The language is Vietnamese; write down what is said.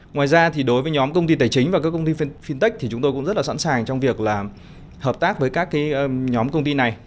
ngoài ra thì đối với nhóm công ty tài chính và các công ty fintech thì chúng tôi cũng rất là sẵn sàng trong việc là hợp tác với các nhóm công ty này